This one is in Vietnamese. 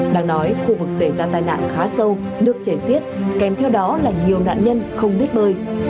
đang nói khu vực xảy ra tai nạn khá sâu nước chảy xiết kèm theo đó là nhiều nạn nhân không biết bơi